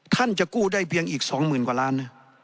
ท่านจะกู้ได้เพียงอีก๒หมื่นกว่าล้าน